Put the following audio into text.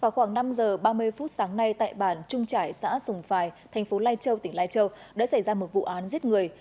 vào khoảng năm giờ ba mươi phút sáng nay tại bản trung trải xã sùng phài thành phố lai châu tỉnh lai châu đã xảy ra một vụ án giết người